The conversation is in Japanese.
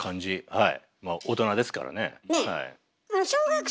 はい。